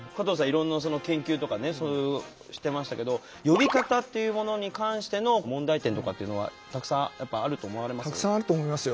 いろんな研究とかねそういうしてましたけど呼び方っていうものに関しての問題点とかっていうのはたくさんやっぱあると思われます？